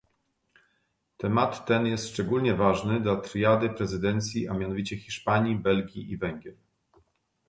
Temat ten jest szczególnie ważny dla triady prezydencji, a mianowicie Hiszpanii, Belgii i Węgier